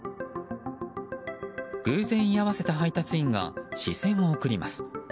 偶然居合わせた配達員が視線を送ります。